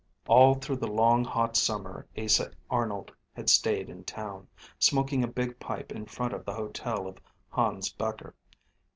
All through the long, hot summer Asa Arnold had stayed in town, smoking a big pipe in front of the hotel of Hans Becher.